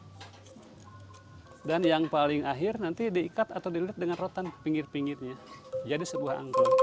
hai dan yang paling akhir nanti diikat atau dilet dengan rotan pinggir pinggirnya jadi sebuah